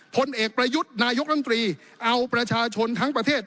ผลเอกประยุทธ์นายกรรมตรีเอาประชาชนทั้งประเทศ